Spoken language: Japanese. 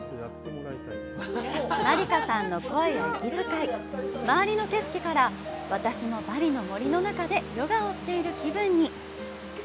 マリカさんの声や息遣い、周りの景色から、私もバリの森の中でヨガをしている気分に。